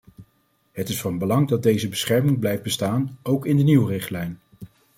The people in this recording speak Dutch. Het is van belang dat deze bescherming blijft bestaan, ook in de nieuwe richtlijn.